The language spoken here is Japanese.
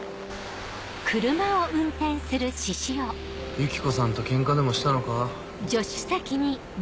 ユキコさんとケンカでもしたのか？